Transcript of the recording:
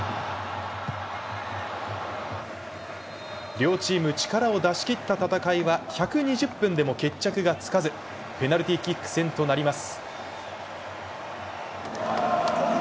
両チーム力を出し切った戦いは１２０分でも決着がつかずペナルティーキック戦となります。